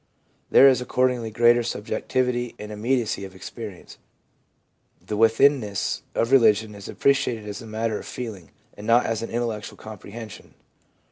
There is accordingly greater subjectivity and immediacy of experience ; the within ness of religion is appreciated as a matter of feeling, and not as an intellectual comprehension.